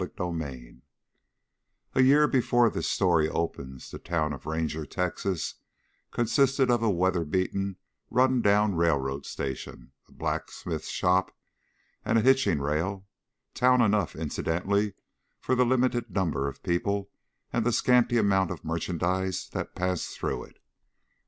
CHAPTER IV A year before this story opens the town of Ranger, Texas, consisted of a weatherbeaten, run down railroad station, a blacksmith shop, and a hitching rail, town enough, incidentally, for the limited number of people and the scanty amount of merchandise that passed through it.